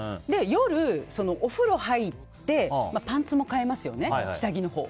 夜、お風呂に入ってパンツも替えますね、下着のほう。